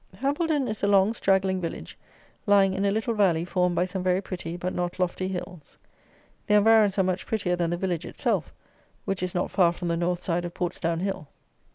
Hambledon is a long, straggling village, lying in a little valley formed by some very pretty but not lofty hills. The environs are much prettier than the village itself, which is not far from the North side of Portsdown Hill.